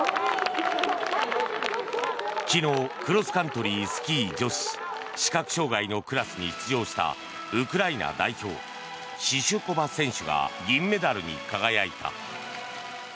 昨日クロスカントリースキー女子視覚障害のクラスに出場したウクライナ代表シシュコバ選手が銀メダルに輝いた。